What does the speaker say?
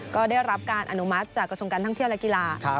ก็ได้รับการอนุมัติจากกระทรวงการท่องเที่ยวและกีฬา